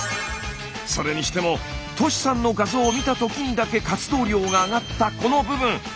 それにしてもトシさんの画像を見た時にだけ活動量が上がったこの部分。